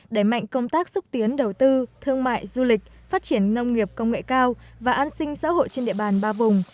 đẩy mạnh công tác xúc tiến đầu tư thương mại du lịch phát triển nông nghiệp công nghệ cao và an sinh xã hội trên địa bàn ba vùng